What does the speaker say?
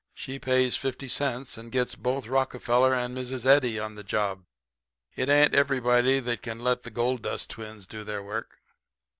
She pays fifty cents, and gets both Rockefeller and Mrs. Eddy on the job. It ain't everybody that can let the gold dust twins do their work.'